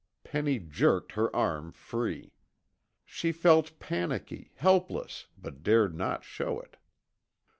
Penny jerked her arm free. She felt panicky, helpless, but dared not show it.